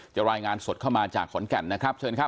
รายงานสดเข้ามาจากขอนแก่นนะครับเชิญครับ